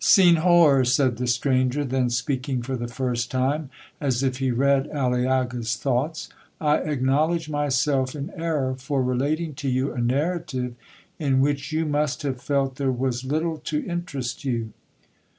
'Senhor,' said the stranger, then speaking for the first time, as if he read Aliaga's thoughts—'I acknowledge myself in error for relating to you a narrative in which you must have felt there was little to interest you.